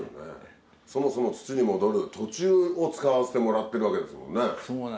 そもそも。を使わせてもらってるわけですもんね。